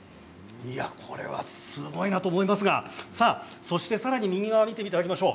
これは、すごいなと思いますがさらに見ていただきましょう。